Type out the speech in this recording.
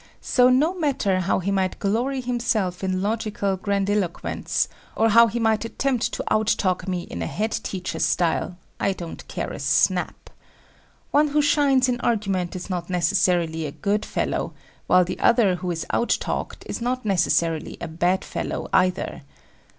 So no matter how he might glory himself in logical grandiloquence, or how he might attempt to out talk me in a head teacher style, I don't care a snap. One who shines in argument is not necessarily a good fellow, while the other who is out talked is not necessarily a bad fellow, either.